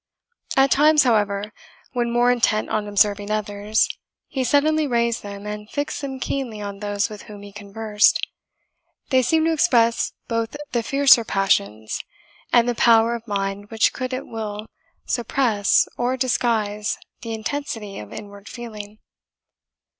At times, however, when, more intent on observing others, he suddenly raised them, and fixed them keenly on those with whom he conversed, they seemed to express both the fiercer passions, and the power of mind which could at will suppress or disguise the intensity of inward feeling.